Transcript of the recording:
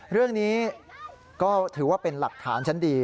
เรื่องนี้ก็ถือว่าเป็นหลักฐานชั้นดี